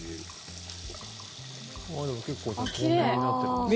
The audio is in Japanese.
でも結構、透明になってますね。